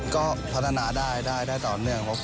ก็พัฒนาได้ได้ต่อเนื่องครับ